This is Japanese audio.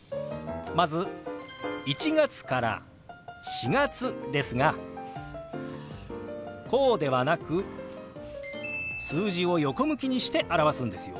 まず１月から４月ですがこうではなく数字を横向きにして表すんですよ。